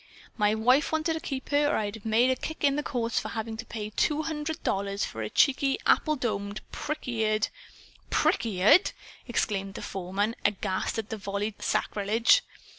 "My wife wanted to keep her, or I'd have made a kick in the courts for having to pay two hundred dollars for a cheeky, apple domed, prick eared " "Prick eared!" exclaimed the foreman, aghast at the volleyed sacrilege.